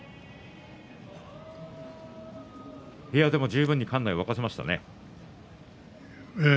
十分に館内を沸かせましたね。